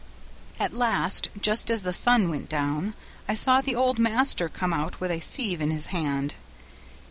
"At last, just as the sun went down, I saw the old master come out with a sieve in his hand.